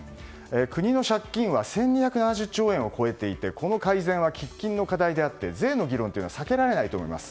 国の借金は１２７０兆円を超えていてこの改善は喫緊の課題であり税の議論は避けられないと思います。